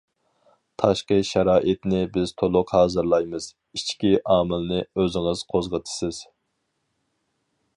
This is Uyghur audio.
تاشقى شارائىتنى بىز تولۇق ھازىرلايمىز، ئىچكى ئامىلنى ئۆزىڭىز قوزغىتىسىز.